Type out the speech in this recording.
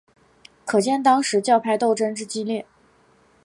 可见当时教派斗争之激烈。